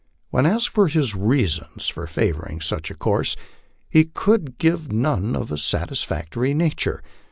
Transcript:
When asked for his reasons for favoring such a course, he could give none of a satisfactory nature.